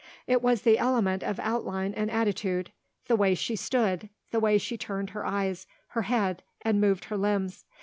It was the element of outline and attitude, the way she stood, the way she turned her eyes, her head, and moved her limbs.